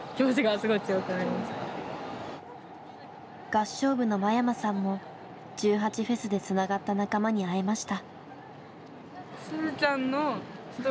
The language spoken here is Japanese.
合唱部の間山さんも１８祭でつながった仲間に会えました。